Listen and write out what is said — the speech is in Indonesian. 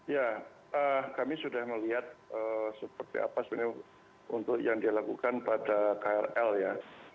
ya kami sudah melihat seperti apa sebenarnya untuk yang dilakukan pada krl ya